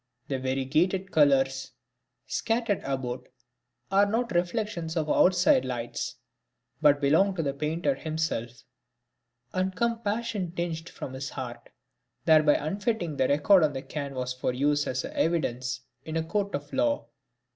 The variegated colours scattered about are not reflections of outside lights, but belong to the painter himself, and come passion tinged from his heart; thereby unfitting the record on the canvas for use as evidence in a court of law.